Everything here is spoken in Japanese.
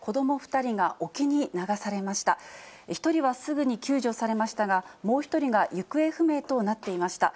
１人はすぐに救助されましたが、もう１人が行方不明となっていました。